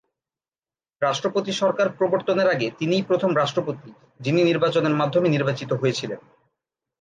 রাষ্ট্রপতি সরকার প্রবর্তনের আগে তিনিই প্রথম রাষ্ট্রপতি যিনি নির্বাচনের মাধ্যমে নির্বাচিত হয়েছিলেন।